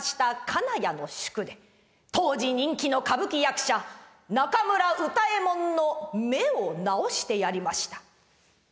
金谷の宿で当時人気の歌舞伎役者中村歌右衛門の目を治してやりました。